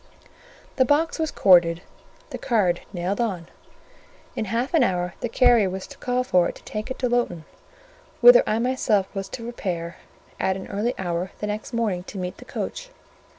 The box was corded, the card nailed on. In half an hour the carrier was to call for it to take it to Lowton, whither I myself was to repair at an early hour the next morning to meet the coach.